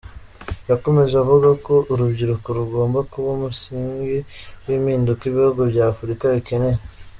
Yakomeje avuga ko urubyiruko rugomba kuba umisingi w’impinduka ibihugu bya Afurika bikeneye.